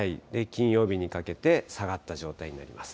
金曜日にかけて下がった状態になります。